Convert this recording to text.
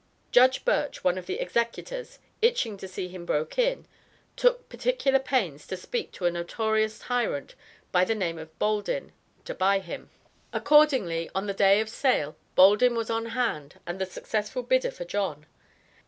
Judge Birch (one of the executors), "itching" to see him "broke in," "took particular pains" to speak to a notorious tyrant by the name of Boldin, to buy him. Accordingly on the day of sale, Boldin was on hand and the successful bidder for John.